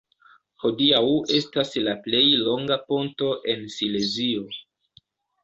Hodiaŭ estas la plej longa ponto en Silezio.